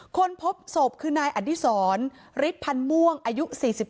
พบศพคือนายอดิษรฤทธพันธ์ม่วงอายุ๔๒